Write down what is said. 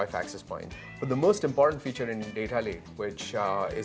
yang akan membantu mereka memahami penggunaan data mereka yang lebih baik